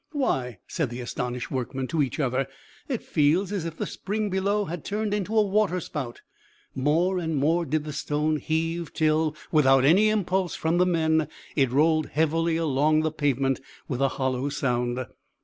"Why!" said the astonished workmen to each other, "it feels as if the spring below had turned into a waterspout." More and more did the stone heave, till, without any impulse from the men it rolled heavily along the pavement with a hollow sound.